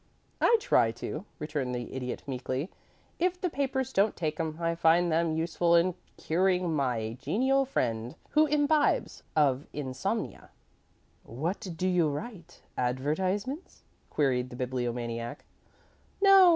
"I try to," returned the Idiot, meekly. "If the papers don't take 'em, I find them useful in curing my genial friend who imbibes of insomnia." "What do you write advertisements?" queried the Bibliomaniac. "No.